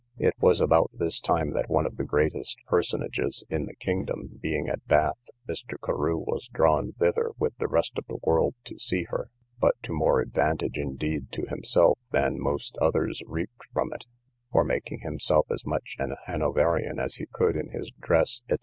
It was about this time, that one of the greatest personages in the kingdom being at Bath, Mr. Carew was drawn thither with the rest of the world to see her, but to more advantage indeed to himself than most others reaped from it; for making himself as much an Hanoverian as he could in his dress, &c.